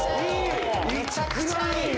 めちゃくちゃいい。